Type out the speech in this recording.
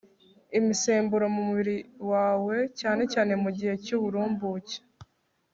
imisemburo mu mubiri wawe cyane cyane mu gihe cy'uburumbuke